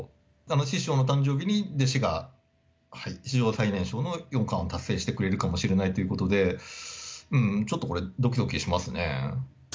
師匠の誕生日に、弟子が史上最年少の四冠を達成してくれるかもしれないということで、ちょっとこれ、どきどきしますね。